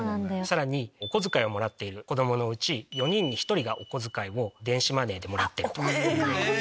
さらにお小遣いをもらっている子供のうち４人に１人がお小遣いを電子マネーでもらってる。